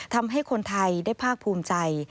ทำให้คนไทยได้ภาคภูมิใจ